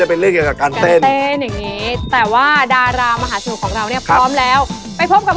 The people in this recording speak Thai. เฮ่ยคุณมีธ่าเต้นไหม